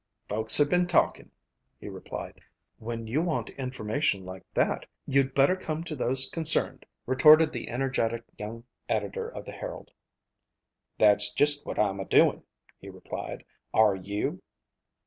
"Folks have been talking," he replied. "When you want information like that you'd better come to those concerned," retorted the energetic young editor of the Herald. "That's just what I'm a doing," he replied. "Are you?"